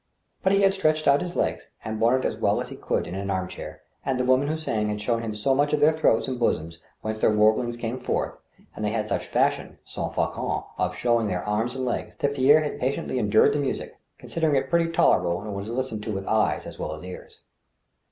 But he had stretched out his legs and borne it as well as he could in an arm chair» and the women who sang had shown him so much of the throats and the bosoms whence their warblings came forth, and they had such a fashion, sans/ofon, of showing their arms and legs, that Pierre had patiently endured the music, considering it pretty tolerable when it was listened to with eyes as well as ears.